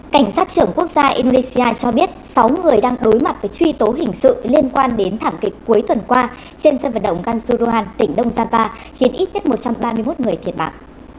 cảnh sát trưởng quốc gia indonesia cho biết sáu người đang đối mặt với truy tố hình sự liên quan đến thảm kịch cuối tuần qua trên sân vật động gansu rohan tỉnh đông giang ba khiến ít nhất một trăm ba mươi một người thiệt bạc